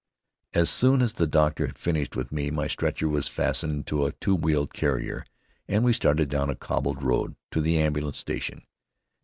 As soon as the doctor had finished with me, my stretcher was fastened to a two wheeled carrier and we started down a cobbled road to the ambulance station.